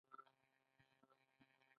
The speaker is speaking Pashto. چې څنګه په خپلو پښو ودریږو.